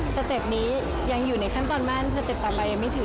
เต็ปนี้ยังอยู่ในขั้นตอนมั่นสเต็ปต่อไปยังไม่ถือ